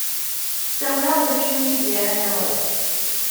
Sawleɣ ulac win iyi-d-yerran awal.